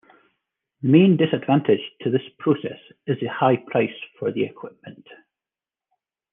The main disadvantage to this process is the high price for the equipment.